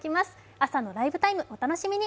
朝のライブタイムお楽しみに！